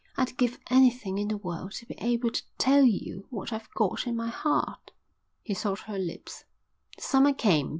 "I'd give anything in the world to be able to tell you what I've got in my heart." He sought her lips. The summer came.